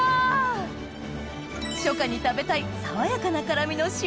初夏に食べたい爽やかな辛みの島